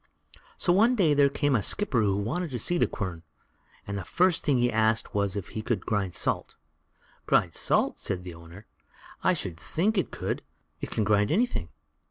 So one day there came a skipper who wanted to see the quern; and the first thing he asked was if it could grind salt. "Grind salt!" said the owner; "I should just think it could. It can grind anything."